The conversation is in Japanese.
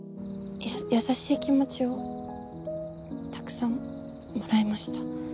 や優しい気持ちをたくさんもらいました。